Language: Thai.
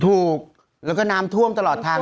ถูกแล้วก็น้ำท่วมตลอดทาง